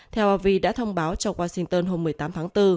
theo rv đã thông báo cho washington hôm một mươi tám tháng bốn